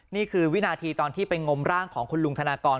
นี่คือวินาทีตอนที่ไปงมร่างของคุณลุงธนากร